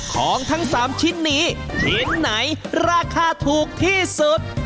ของทั้ง๓ชิ้นนี้ชิ้นไหนราคาถูกที่สุด